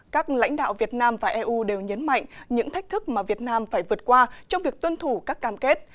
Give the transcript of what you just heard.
các lãnh đạo việt nam và eu đều nhấn mạnh những thách thức mà việt nam phải vượt qua trong việc tuân thủ các cam kết